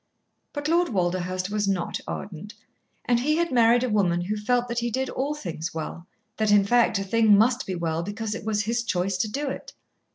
But Lord Walderhurst was not ardent, and he had married a woman who felt that he did all things well that, in fact, a thing must be well because it was his choice to do it.